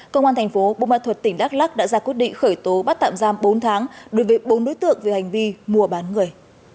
công an thành phố bù ma thuật tỉnh đắk lắc đã ra quyết định khởi tố bắt tạm giam bốn tháng đối với bốn đối tượng về hành vi mua bán người